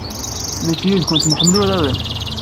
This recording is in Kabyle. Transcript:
Nekk yid-kent nḥemmel uraren.